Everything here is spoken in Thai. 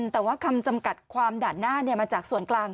แต่ว่าคำจำกัดความด่านหน้ามาจากส่วนกลาง